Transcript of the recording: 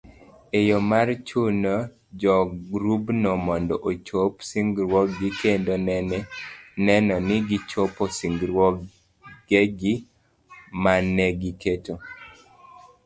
En yo mar chuno jogrubno mondo ochop singruokgi kendo neno ni gichopo singruogegi manegiketo